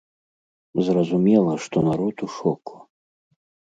Зразумела, што народ у шоку.